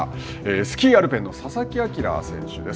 スキーアルペンの佐々木明選手です。